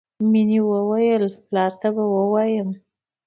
مینې وویل چې پلار ته به ووایم